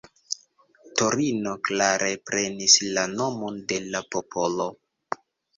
Torino klare prenis la nomon de la popolo.